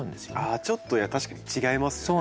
あちょっと確かに違いますよね。